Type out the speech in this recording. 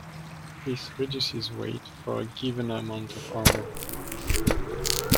This reduces weight for a given amount of armour.